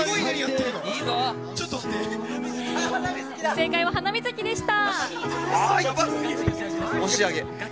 正解は「ハナミズキ」でした。